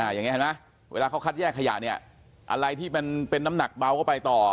อย่างนี้เห็นไหมเวลาเขาคัดแยกขยะเนี่ยอะไรที่มันเป็นน้ำหนักเบาก็ไปต่อ